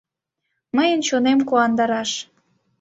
Мыйын чонем куандараш